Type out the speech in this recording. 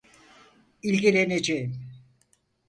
İlgileneceğim.